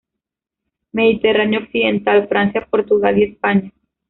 Mediterráneo occidental, Francia, Portugal y España.